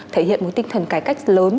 thể hiện một tinh thần cải cách lớn